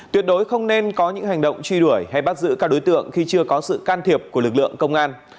tuyệt đối không nên có những hành động truy đuổi hay bắt giữ các đối tượng khi chưa có sự can thiệp của lực lượng công an